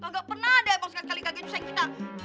gak pernah deh bang sekali kagaknya saya kira